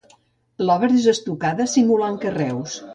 L'obra és estucada simulant carreus.